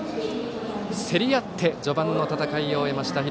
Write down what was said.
競り合って序盤の戦いを終えました。